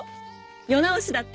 世直しだって？